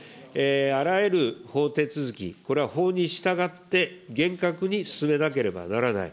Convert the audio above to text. あらゆる法手続き、これは法に従って厳格に進めなければならない。